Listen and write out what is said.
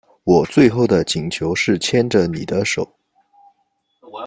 我最后的请求是牵着妳的手